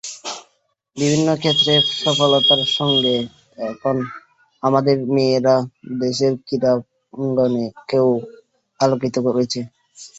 বিভিন্ন ক্ষেত্রে সফলতার সঙ্গে এখন আমাদের মেেয়রা দেশের ক্রীড়াঙ্গনকেও আলোকিত করছে।